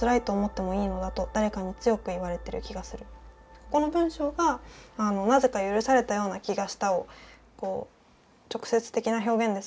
ここの文章が「なぜか、許されたような気がした」を「直接的な表現ですがいいですか？